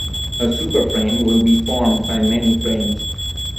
A superframe will be formed by many frames.